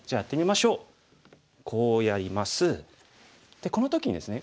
でこの時にですね